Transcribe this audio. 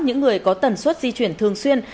những người có tần suất di chuyển thường xuyên